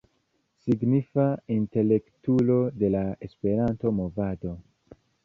Signifa intelektulo de la Esperanto-movado.